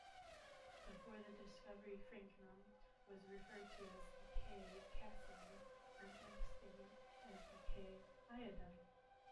Before the discovery, francium was referred to as "eka-caesium" and astatine as "eka-iodine".